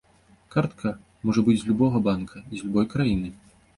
Картка можа быць з любога банка і з любой краіны.